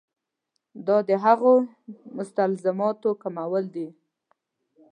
دا د هغو مستلزماتو کمول دي.